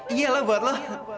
iya lah buat lo